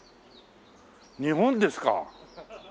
日本ですか？